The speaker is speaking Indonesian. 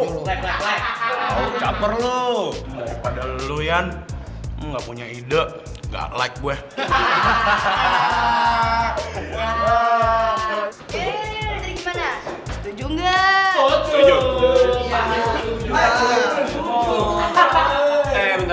lalu capek lu daripada lu yan enggak punya ide gak like gue hahaha hahaha